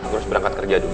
terus berangkat kerja dulu